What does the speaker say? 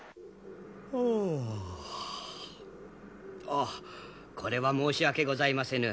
ああこれは申し訳ございませぬ。